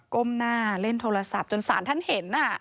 ก้มหน้าเล่นโทรศัพท์จนศาลท่านเห็น